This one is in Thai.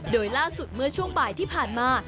โดยล่าสุดเมื่อช่วงบ่ายที่ผ่านมา